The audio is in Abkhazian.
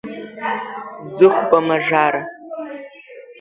Зыхәба Мажара…